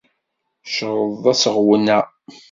Creḍ aseɣwen-a.